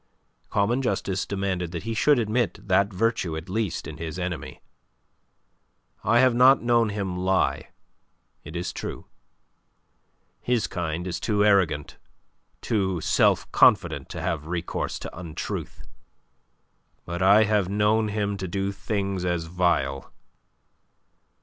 Common justice demanded that he should admit that virtue at least in his enemy. "I have not known him lie, it is true. His kind is too arrogant, too self confident to have recourse to untruth. But I have known him do things as vile..."